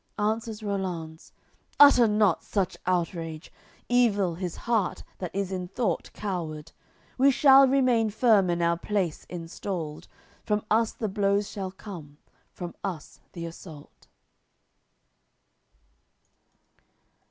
Answers Rollanz: "Utter not such outrage! Evil his heart that is in thought coward! We shall remain firm in our place installed; From us the blows shall come, from us the assault."